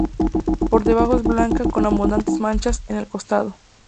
Por debajo es blanca con abundantes manchas en el costado.